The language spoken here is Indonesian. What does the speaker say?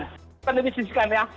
bukan dimisdiskan ya